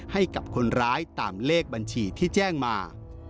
ให้กับคนร้ายตามเลขบัญชีที่แจ้งมา